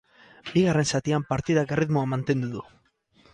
Bigarren zatian partidak erritmoa mantendu du.